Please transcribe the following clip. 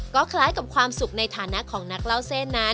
ก็คล้ายกับความสุขในฐานะของนักเล่าเส้นนั้น